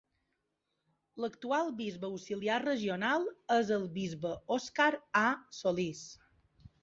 L'actual bisbe auxiliar regional és el bisbe Oscar A. Solis.